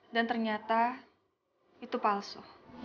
dan ternyata itu palsu